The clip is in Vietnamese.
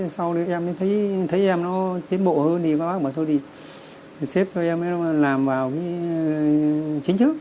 sau đó em thấy em nó tiến bộ hơn thì bác bác bảo thôi thì xếp cho em làm vào chính trước